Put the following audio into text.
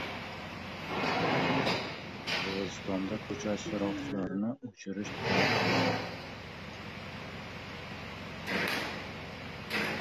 Qirg‘izistonda ko‘cha chiroqlarini o‘chirish talab qilindi